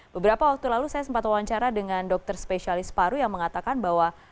beberapa waktu lalu saya sempat wawancara dengan dokter spesialis paru yang mengatakan bahwa